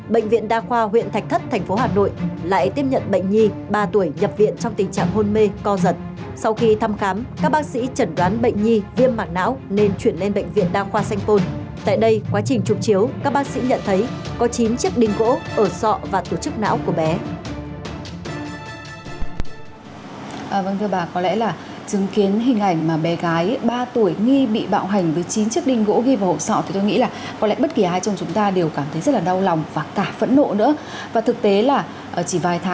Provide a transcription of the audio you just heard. bệnh viện đa khoa huyện thạch thất thành phố hà nội lại tiếp nhận bệnh nhi ba tuổi nhập viện trong tình trạng hôn mê co giật